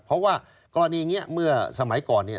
เพราะว่ากรณีนี้เมื่อสมัยก่อนเนี่ย